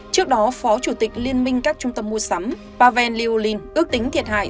trước đó phó chủ tịch liên minh các trung tâm mua sắm pavel lewin ước tính thiệt hại